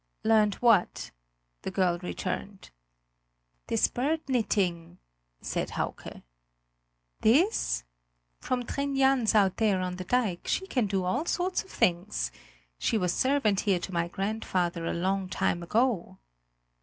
"Learned what?" the girl returned. "This bird knitting?" said Hauke. "This? From Trin Jans out there on the dike; she can do all sorts of things. She was servant here to my grandfather a long time ago."